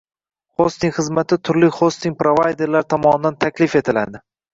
Hosting xizmati turli hosting provayderlar tomonidan taklif etiladi